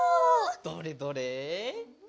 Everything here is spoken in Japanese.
どれどれ。